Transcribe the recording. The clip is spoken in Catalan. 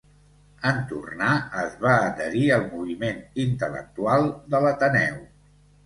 En tornar es va adherir al moviment intel·lectual de l'Ateneu.